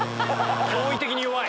驚異的に弱い。